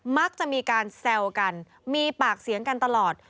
มักจะมีการแซวกันมีปากเสียงกันตลอด